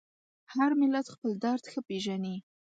هر ملت خپل درد ښه پېژني.